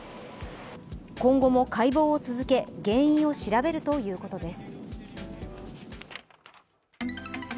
今後も解剖を続け、原因を調べるということです。